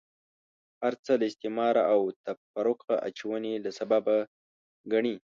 هرڅه له استعماره او تفرقه اچونې له سببه ګڼي.